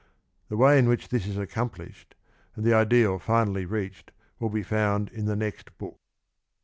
The way in which this is accomplished and the ideal finally reached will be found in the next book.